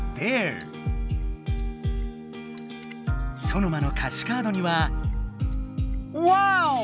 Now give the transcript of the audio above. ソノマの歌詞カードにはワオ！